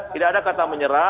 tidak ada kata menyerah